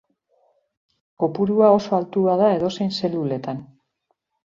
Kopurua oso altua da edozein zeluletan.